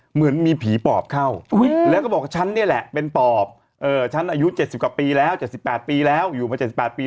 เหมือนมีผีปอบเข้าแล้วก็บอกฉันนี่แหละเป็นปอบฉันอายุ๗๐กว่าปีแล้ว๗๘ปีแล้วอยู่มา๗๘ปี